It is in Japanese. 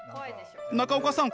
中岡さん